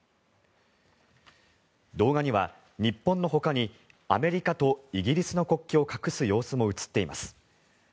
動画には日本のほかにアメリカとイギリスの国旗を隠す様子も映っています。